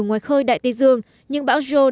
ngoài khơi đại tây dương nhưng bão joe